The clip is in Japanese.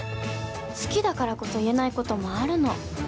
好きだからこそ言えないこともあるの。